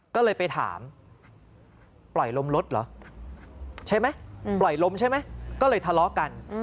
ก็เลยไปถามปล่อยลมรถเหรอใช่ไหมปล่อยลมใช่ไหมก็เลยทะเลาะกัน